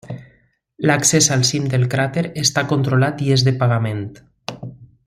L'accés al cim del cràter està controlat i és de pagament.